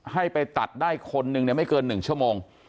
ให้ไปตัดคนหนึ่งเนี่ยไม่เกินหนึ่งชั่วโมง